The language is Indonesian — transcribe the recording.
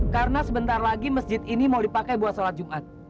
karena sebentar lagi masjid ini mau dipakai buat sholat jumat